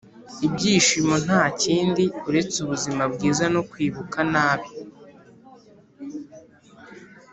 “ibyishimo nta kindi uretse ubuzima bwiza no kwibuka nabi